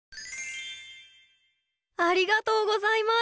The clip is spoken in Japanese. ありがとうございます。